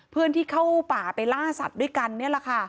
เพื่อนที่เข้าป่าไปล่าสัตว์ด้วยกันนี่แหละค่ะ